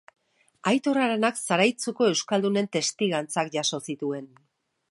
Aitor Aranak Zaraitzuko euskaldunen testigantzak jaso zituen.